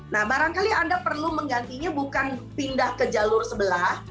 nah barangkali anda perlu menggantinya bukan pindah ke jalur sebelah